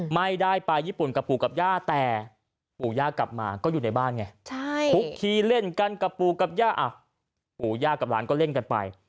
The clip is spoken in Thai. ไม่ได้ไปญี่ปุ่นกับปู่กับย่าแต่ปู่ย่ากลับมาก็อยู่ในบ้านไงคุกคีเล่นกันกับปู่กับย่าปู่ย่ากับหลานก็เล่นกันไป